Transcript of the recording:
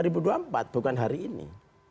dua ribu dua puluh empat bukan hari ini